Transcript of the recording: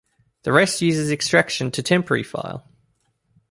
The rest uses extraction to temporary file.